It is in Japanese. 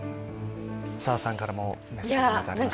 澤さんからもメッセージありました。